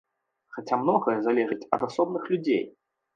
Хаця многае залежыць ад асобных людзей.